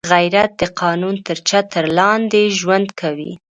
غیرت د قانون تر چتر لاندې ژوند کوي